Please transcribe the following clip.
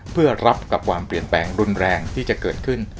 เพื่อรับกับความเปลี่ยนแปลงรุนแรงที่จะเกิดขึ้น